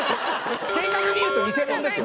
正確に言うと偽物ですよ。